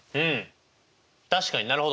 確かになるほど。